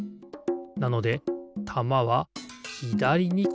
なのでたまはひだりにころがる。